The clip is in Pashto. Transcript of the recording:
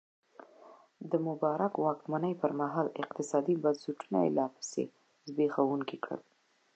د مبارک واکمنۍ پرمهال اقتصادي بنسټونه لا پسې زبېښونکي کړل.